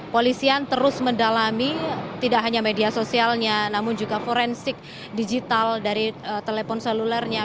polisian terus mendalami tidak hanya media sosialnya namun juga forensik digital dari telepon selulernya